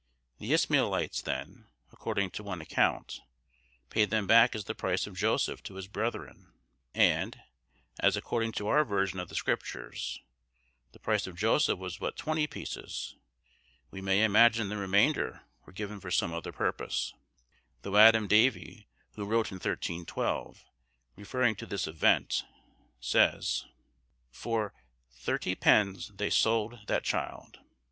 The Ismaelites then, according to one account, paid them back as the price of Joseph to his brethren; and as, according to our version of the Scriptures, the price of Joseph was but twenty pieces, we may imagine the remainder were given for some other purpose; though Adam Davie, who wrote in 1312, referring to this event, says—"Ffor thritti pens thei sold that childe."